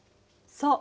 そう。